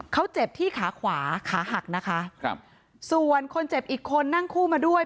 เขาเจ็บที่ขาขวาขาหักนะคะครับส่วนคนเจ็บอีกคนนั่งคู่มาด้วย